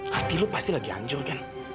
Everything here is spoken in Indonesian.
hati lu pasti lagi hancur kan